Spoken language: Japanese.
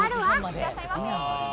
いらっしゃいませ！